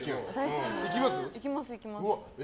いきます、いきます。